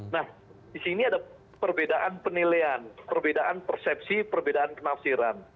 nah di sini ada perbedaan penilaian perbedaan persepsi perbedaan penafsiran